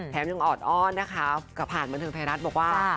ยังออดอ้อนนะคะกับผ่านบันเทิงไทยรัฐบอกว่า